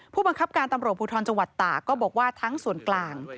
ผู้บังคับการตำรวจภูทรจังหวัดตากก็บอกว่าทั้งส่วนกลาง